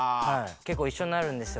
結構一緒になるんですよ